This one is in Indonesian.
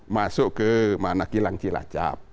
masuk ke mana kilang cilacap